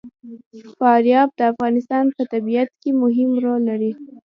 فاریاب د افغانستان په طبیعت کې مهم رول لري.